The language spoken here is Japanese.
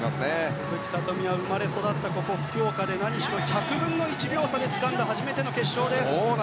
鈴木聡美は生まれ育ったここ、福岡で何しろ１００分の１秒差でつかんだ初めての決勝です。